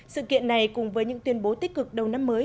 sự kiện này cùng với những tuyên bố tích cực đầu năm mới